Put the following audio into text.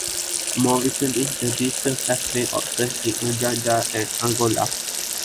More recently the beetle has been observed in Uganda and Angola.